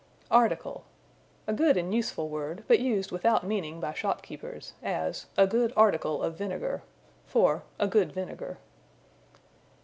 Article. A good and useful word, but used without meaning by shopkeepers; as, "A good article of vinegar," for a good vinegar.